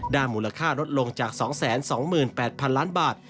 มูลค่าลดลงจาก๒๒๘๐๐๐ล้านบาท